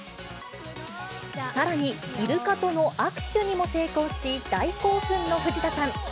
さらに、イルカとの握手にも成功し、大興奮の藤田さん。